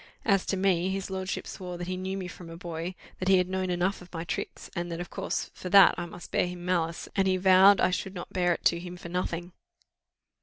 As to me, his lordship swore that he knew me from a boy; that he had known enough of my tricks, and that of course for that I must bear him malice; and he vowed I should not bear it to him for nothing.